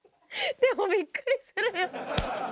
でもびっくりするよ。